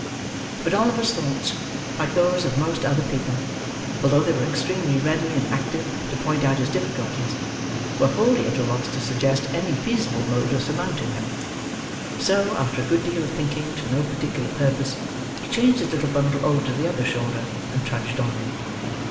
But Oliver's thoughts, like those of most other people, although they were extremely ready and active to point out his difficulties, were wholly at a loss to suggest any feasible mode of surmounting them; so, after a good deal of thinking to no particular purpose, he changed his little bundle over to the other shoulder, and trudged on.